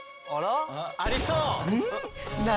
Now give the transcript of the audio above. ありそう！